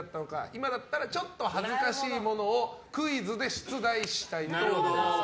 今だったらちょっと恥ずかしいものをクイズで出題したいと思います。